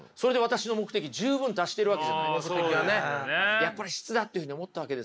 やっぱり「質」だっていうふうに思ったわけですよね。